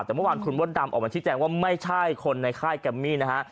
แต่เมื่อวานคุณมดดำออกมาชี้แจงว่าไม่ใช่คนในค่ายแกมมี่นะฮะ